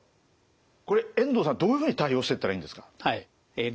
これ遠藤さんどういうふうに対応してったらいいんですか？